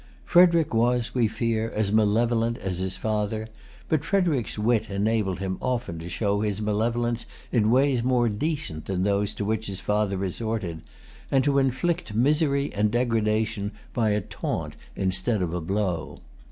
Frederic was, we fear, as malevolent as his father; but Frederic's wit enabled him often to show his malevolence in ways more decent than those to which his father resorted, and to inflict misery and degradation by a taunt instead of a blow.